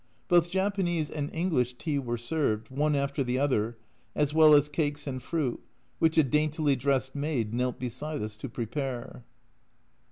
Both Japanese and English tea were served, one after the other, as well as cakes and fruit, which a daintily dressed maid knelt beside us to prepare.